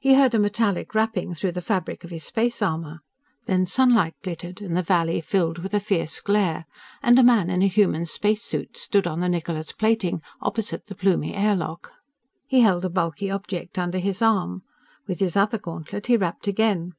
He heard a metallic rapping through the fabric of his space armor. Then sunlight glittered, and the valley filled with a fierce glare, and a man in a human spacesuit stood on the Niccola's plating, opposite the Plumie air lock. He held a bulky object under his arm. With his other gauntlet he rapped again.